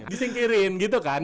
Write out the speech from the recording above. disingkirin gitu kan